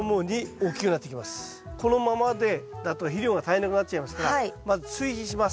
このままだと肥料が足りなくなっちゃいますからまず追肥します。